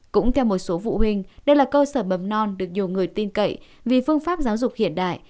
cũng theo một số phụ huynh đây là cơ sở mầm non được nhiều người tin cậy vì phương pháp giáo dục hiện đại